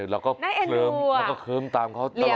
เราก็เคิ้มเราก็เคิ้มตามเค้าตลอดเนี่ย